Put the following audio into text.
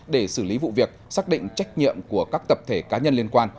để xử lý vụ việc xác định trách nhiệm của các tập thể cá nhân liên quan